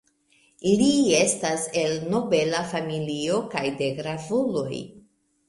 Li estas el nobela familio kaj de gravuloj.